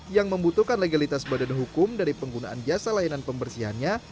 yang membutuhkan legalitas badan hukum dari penggunaan jasa layanan pembersihannya